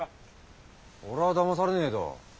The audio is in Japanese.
俺はだまされねえぞ。